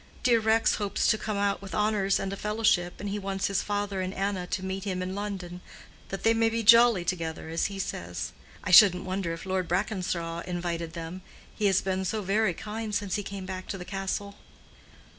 "Dear Rex hopes to come out with honors and a fellowship, and he wants his father and Anna to meet him in London, that they may be jolly together, as he says. I shouldn't wonder if Lord Brackenshaw invited them, he has been so very kind since he came back to the Castle."